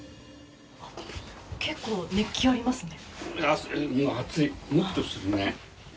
結構熱気がありますね。